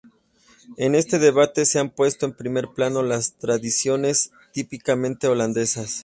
En este debate se han puesto en primer plano las "tradiciones típicamente holandesas".